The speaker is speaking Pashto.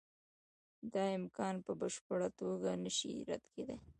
دا امکان په بشپړه توګه نشي رد کېدای.